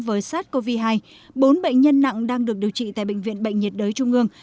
với sars cov hai bốn bệnh nhân nặng đang được điều trị tại bệnh viện bệnh nhiệt đới trung ương